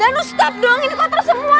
dano stop dong ini kotor semua